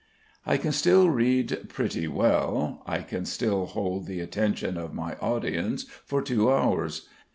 I can still read pretty well; I can still hold the attention of my audience for two hours.